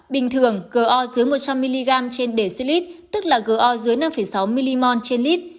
bình thường go dưới một trăm linh mg trên decilit tức là go dưới năm sáu mg trên lit